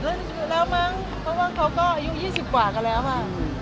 เพราะว่าเขาก็อายุ๒๐กว่ากันแล้วค่ะ